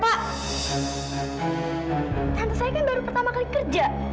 tante saya kan baru pertama kali kerja